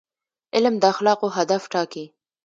علم د اخلاقو هدف ټاکي.